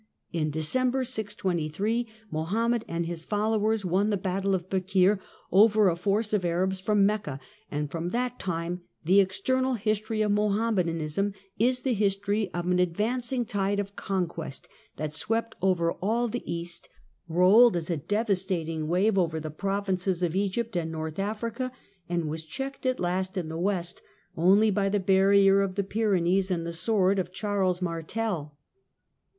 In December, 623, Mohammed and his followers won the battle of Bekr over a force of Arabs from Mecca, and from that time the external history of Mohammedanism is the history of an advancing tide of conquest that swept over all the east, rolled as a devastating wave over the provinces of Egypt and North Africa, and was checked at last in • the west only by the barrier of the Pyrenees and the sword of Charles Martel.